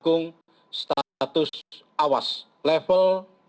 yang status awas level empat